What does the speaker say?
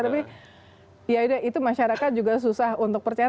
tapi ya udah itu masyarakat juga susah untuk percaya